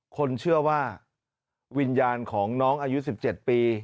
คนเชื่อว่าวิญญาณของน้องอายุ๑๗ปี